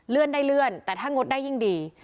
ได้เลื่อนแต่ถ้างดได้ยิ่งดี